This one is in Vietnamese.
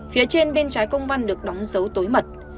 phía trên bên trái công văn được đóng dấu tối mật